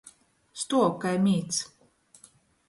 Stuov kai mīts.